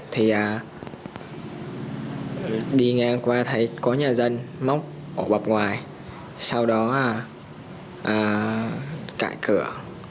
thì đi ngang qua thấy có nhà dân móc ở bọc ngoài sau đó cải cửa